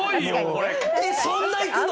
そんな行くの？